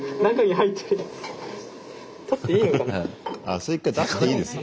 それ１回出していいですよ。